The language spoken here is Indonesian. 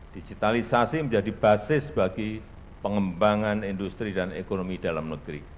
digitalisasi menjadi basis bagi pengembangan industri dan ekonomi dalam negeri